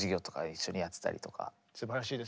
すばらしいです。